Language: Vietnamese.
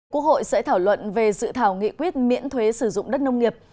quốc hội sẽ thảo luận về dự thảo nghị quyết miễn thuế sử dụng đất nông nghiệp